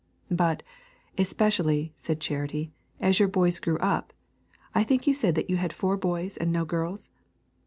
But, especially, said Charity, as your boys grew up I think you said that you had four boys and no girls?